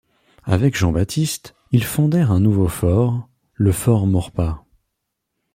Avec Jean-Baptiste, ils fondèrent un nouveau fort, le fort Maurepas.